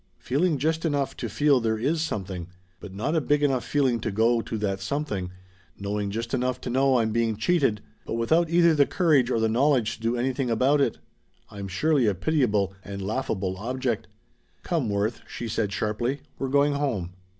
Feeling just enough to feel there is something but not a big enough feeling to go to that something, knowing just enough to know I'm being cheated, but without either the courage or the knowledge to do anything about it I'm surely a pitiable and laughable object. Come, Worth," she said sharply, "we're going home."